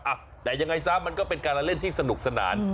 อ่ะแต่ยังไงซะมันก็เป็นการเล่นที่สนุกสนาน